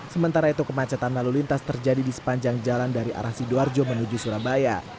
sementara itu kemacetan lalu lintas terjadi di sepanjang jalan dari arah sidoarjo menuju surabaya